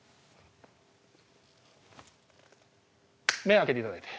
目を開けて頂いて。